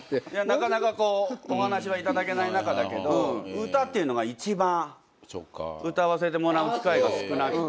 なかなかお話は頂けない中だけど歌っていうのが一番歌わせてもらう機会が少なくて。